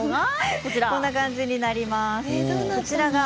こんな感じになります。